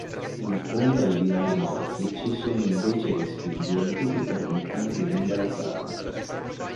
In fondo ai binari morti ci sono invece respingenti che permettono di rimbalzare.